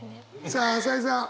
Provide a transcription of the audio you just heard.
さあ朝井さん